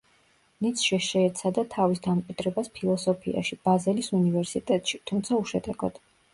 ნიცშე შეეცადა თავის დამკვიდრებას ფილოსოფიაში, ბაზელის უნივერსიტეტში, თუმცა უშედეგოდ.